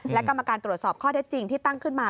และกรรมการตรวจสอบข้อเท็จจริงที่ตั้งขึ้นมา